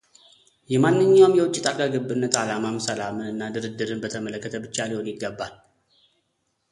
የማንኛውም የውጭ ጣልቃ ገብነት ዓላማም ሰላምን እና ድርድርን በተመለከተ ብቻ ሊሆን ይገባል